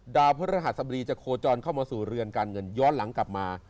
พระรหัสบดีจะโคจรเข้ามาสู่เรือนการเงินย้อนหลังกลับมา